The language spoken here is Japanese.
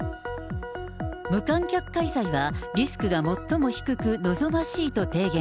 無観客開催はリスクが最も低く、望ましいと提言。